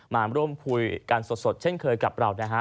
มาร่วมคุยกันสดเช่นเคยกับเรานะฮะ